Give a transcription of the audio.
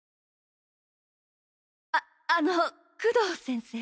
ああの工藤先生？